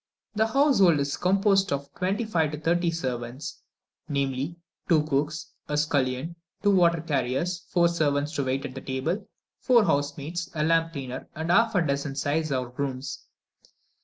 The household is composed of from twenty five to thirty servants; namely two cooks, a scullion, two water carriers, four servants to wait at table, four housemaids, a lamp cleaner, and half a dozen seis or grooms.